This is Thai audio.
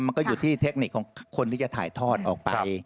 มันก็อยู่ที่เทคนิคของคนที่จะถ่ายทอดออกไป